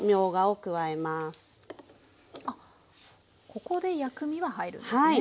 ここで薬味は入るんですね。